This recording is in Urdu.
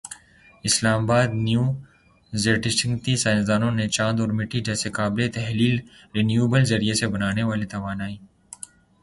اسلام آبادنیو زڈیسکچینی سائنسدانوں نے چاند اور مٹی جیسے قابلِ تحلیل رینیوایبل ذرائع سے بننے والی توانائی